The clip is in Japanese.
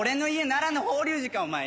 奈良の法隆寺かお前よ！